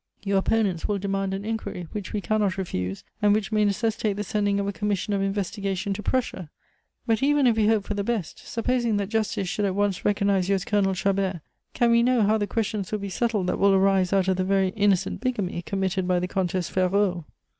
Your opponents will demand an inquiry, which we cannot refuse, and which may necessitate the sending of a commission of investigation to Prussia. But even if we hope for the best; supposing that justice should at once recognize you as Colonel Chabert can we know how the questions will be settled that will arise out of the very innocent bigamy committed by the Comtesse Ferraud?